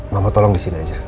mama tolong di sini aja